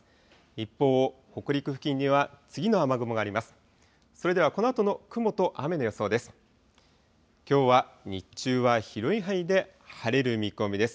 一方、北陸付近には次の雨雲があります。